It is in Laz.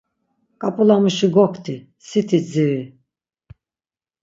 K̆ap̌ulamuşi gokti, siti dziri.